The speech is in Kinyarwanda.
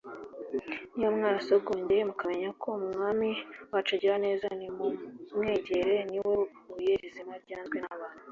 'niba mwarasogongeye mukamenya yuko umwami wacu agira neza nimumwegere ni we buye rizima ryanzwe n’abantu,